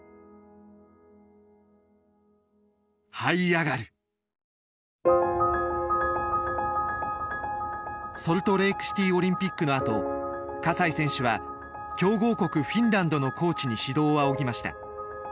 やっぱりソルトレークシティーオリンピックのあと西選手は強豪国フィンランドのコーチに指導を仰ぎました。